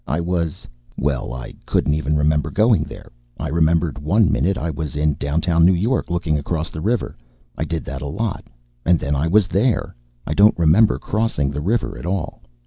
I was Well, I couldn't even remember going there. I remembered one minute I was downtown New York, looking across the river. I did that a lot. And then I was there. I don't remember crossing the river at all.